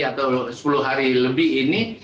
atau sepuluh hari lebih ini